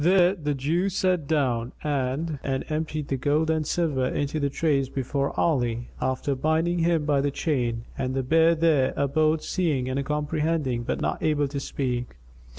There the Jew sat down and emptied the gold and silver into the trays before Ali, after binding him by the chain; and the bear there abode seeing and comprehending but not able to speak.